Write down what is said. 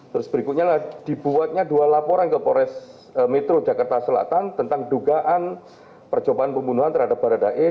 terus berikutnya dibuatnya dua laporan ke polres metro jakarta selatan tentang dugaan percobaan pembunuhan terhadap baradae